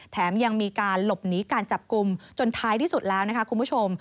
แถมยังมีการหลบหนีการจับกลุ่มจนท้ายที่สุดแล้วนะคะคุณผู้ชม